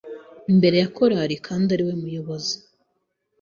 Imbere ya korari kandi ariwe muyobozi